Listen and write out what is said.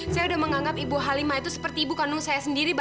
saya sudah menganggap ibu halimah itu seperti ibu kandung saya sendiri